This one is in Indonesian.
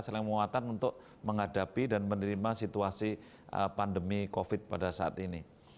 saling menguatkan untuk menghadapi dan menerima situasi pandemi covid pada saat ini